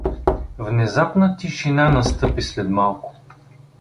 Внезапна тишина настъпи след малко.